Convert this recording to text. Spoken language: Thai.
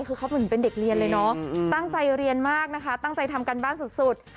คือเขาเหมือนเป็นเด็กเรียนเลยเนาะตั้งใจเรียนมากนะคะตั้งใจทำการบ้านสุด